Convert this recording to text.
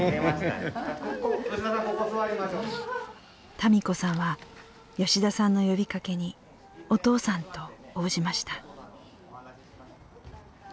多美子さんは吉田さんの呼びかけにお父さんと応じました。